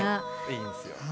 いいんすよ。